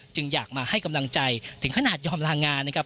อยากมาให้กำลังใจถึงขนาดยอมลางานนะครับ